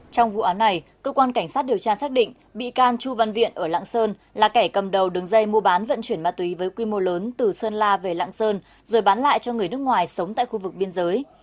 trong vụ án này cơ quan cảnh sát điều tra xác định bị can chu văn viện ở lạng sơn là kẻ cầm đầu đường dây mua bán vận chuyển ma túy với quy mô lớn từ sơn la về lạng sơn rồi bán lại cho người nước ngoài sống tại khu vực biên giới